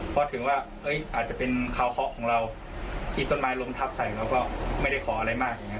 เพราะถือว่าอาจจะเป็นคาวเคาะของเราที่ต้นไม้ล้มทับใส่เราก็ไม่ได้ขออะไรมากอย่างนี้